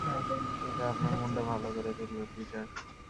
এটা আপনার মনটা ভালো করে তুলবে, পিটার।